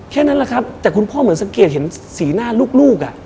แค่นั้นแหละครับแต่คุณพ่อเหมือนสังเกตเห็นสีหน้าลูก